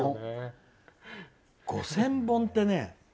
５０００本ってね